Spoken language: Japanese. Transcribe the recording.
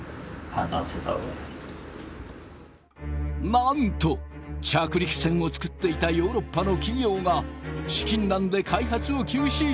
なんと着陸船を作っていたヨーロッパの企業が資金難で開発を休止。